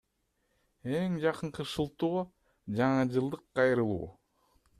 Эң жакынкы шылтоо — жаңы жылдык кайрылуу.